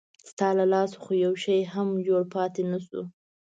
ستا له لاسه خو یو شی هم جوړ پاتې نه شو.